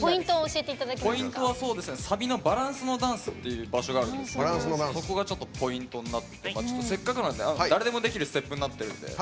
ポイントはさびの「バランすのダンス」っていう場所があるのでそこがポイントになっててせっかくなんで、誰でもできるステップになってるので。